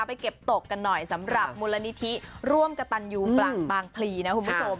ไปเก็บตกกันหน่อยสำหรับมูลนิธิร่วมกระตันยูกลางบางพลีนะคุณผู้ชม